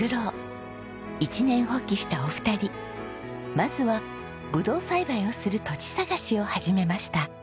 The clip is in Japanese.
まずはブドウ栽培をする土地探しを始めました。